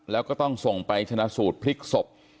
แล้วก็ต้องส่งไปชนะสูตรพลิกศพ